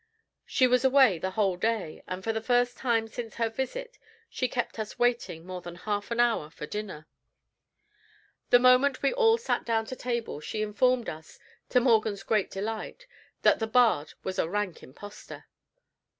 She was away the whole day, and for the first time since her visit she kept us waiting more than half an hour for dinner. The moment we all sat down to table, she informed us, to Morgan's great delight, that the bard was a rank impostor.